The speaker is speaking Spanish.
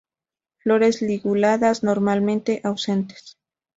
Flores liguladas normalmente ausentes.